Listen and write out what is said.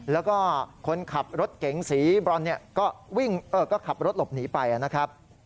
แล้วก็คนขับรถเก๋งสีบรอนก็ขับรถหลบหนีไปนะครับ